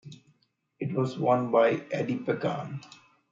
It was won by Eddie Pagan.